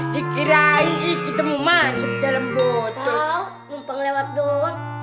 dikira ini kita mau masuk dalam botol lewat doang